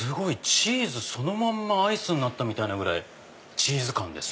チーズそのままアイスになったぐらいチーズ感です。